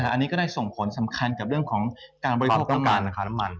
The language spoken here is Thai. อันนี้ก็ได้ส่งผลสำคัญกับเรื่องของการบริโภคน้ำมัน